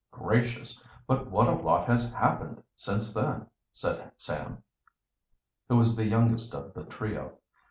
"Gracious! but what a lot has happened since then," said Sam, who was the youngest of the trio.